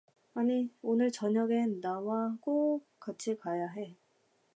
아니, 오늘 저녁엔 나하고 같이 가야 해.